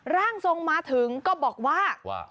ร่างทรงมาถึงก็บอกว่า